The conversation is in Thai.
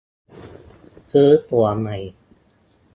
ซื้อตั๋วใหม่